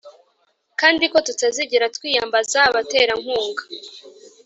Kandi ko tutazigera twiyambaza abaterankunga